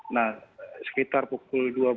nah sekitar pukul enam